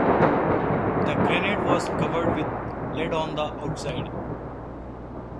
The grenade was covered with lead on the outside.